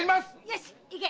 よし行け！